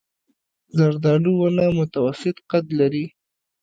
زردالو ونه متوسط قد لري.